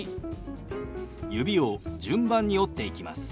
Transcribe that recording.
指を順番に折っていきます。